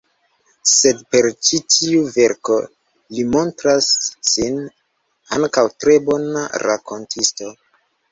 Sed per ĉi tiu verko, li montras sin ankaŭ tre bona rakontisto.